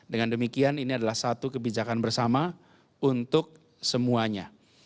dengan demikian ini adalah satu kebijakan bersama untuk semuanya